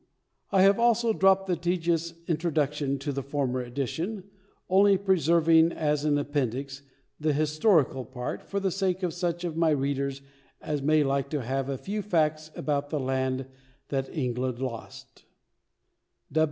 I have also dropped the tedious introduction to the former edition, only preserving, as an appendix, the historical part, for the sake of such of my readers as may like to have a few facts about the land that England lost.